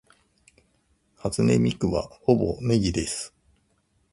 初音ミクはほぼネギです